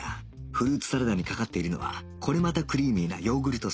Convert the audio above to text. フルーツサラダにかかっているのはこれまたクリーミーなヨーグルトソース